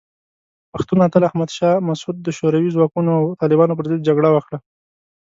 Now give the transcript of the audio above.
پښتون اتل احمد شاه مسعود د شوروي ځواکونو او طالبانو پر ضد جګړه وکړه.